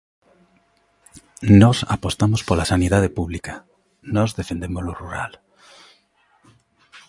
Nós apostamos pola sanidade pública, nós defendemos o rural.